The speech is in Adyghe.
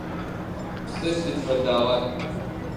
Псыр сыд фэдагъа?